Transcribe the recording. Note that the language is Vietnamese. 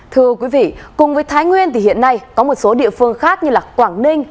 thưa quý vị cùng với thái nguyên thì hiện nay có một số địa phương khác như quảng ninh